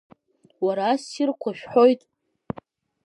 Уара ассирқәа шәҳәоит…